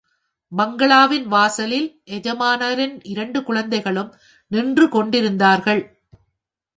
பங்களாவின் வாசலில் எஜமானரின் இரண்டு குழந்தைகளும் நின்றுகொண்டிருந்தார்கள்.